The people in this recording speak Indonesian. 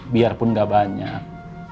biarpun nggak banyak